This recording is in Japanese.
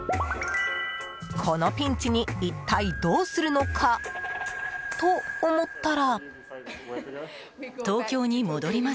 このピンチに一体どうするのかと思ったら。